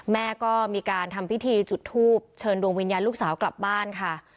แม่ก็มีการทำพิธีจุดทูบเชิญดวงวิญญาณลูกสาวกลับบ้านค่ะ